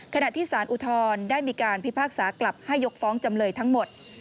ขณะที่สารอุทธรณ์ได้มีการพิพากษากลับให้ยกฟ้องจำเลยทั้งหมด